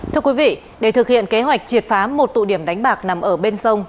thưa quý vị để thực hiện kế hoạch triệt phá một tụ điểm đánh bạc nằm ở bên sông